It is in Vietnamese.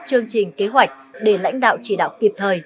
chương trình kế hoạch để lãnh đạo chỉ đạo kịp thời